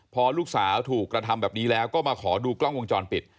พอลูกสาวถูกกระทำแบบนี้แล้วก็มาขอดูกล้องวงจรปิด